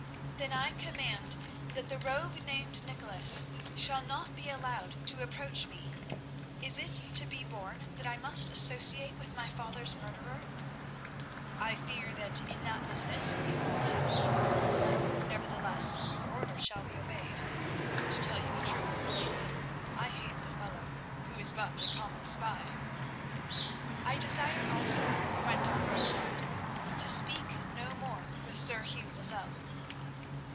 "Then I command that the rogue named Nicholas shall not be allowed to approach me. Is it to be borne that I must associate with my father's murderer?" "I fear that in that business we all had a hand, nevertheless your order shall be obeyed. To tell you the truth, lady, I hate the fellow, who is but a common spy." "I desire also," went on Rosamund, "to speak no more with Sir Hugh Lozelle."